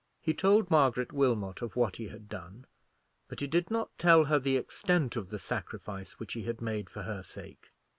He told Margaret Wilmot of what he had done, but he did not tell her the extent of the sacrifice which he had made for her sake.